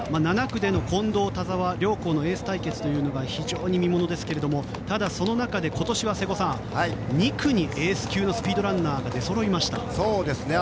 ７区での近藤、田澤両校のエース対決が非常に見ものですがただ、その中で今年は瀬古さん２区にエース級のスピードランナーが出そろいました。